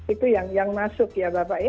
itu yang masuk ya bapak ya